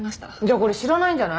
これ知らないんじゃない？